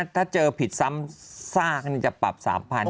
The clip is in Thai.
ถ้าเจอผิดซ้ำซากนี่จะปรับสามพันธุ์